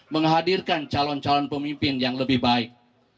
menghadirkan calon calon pemimpin yang lebih baik